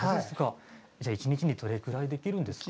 一日にどのぐらいできるんですか？